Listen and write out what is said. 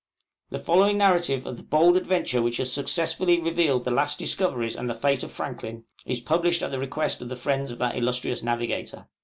The following narrative of the bold adventure which has successfully revealed the last discoveries and the fate of Franklin, is published at the request of the friends of that illustrious navigator.